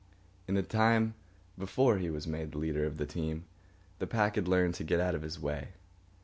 In the time before he was made leader of the team, the pack had learned to get out of his way.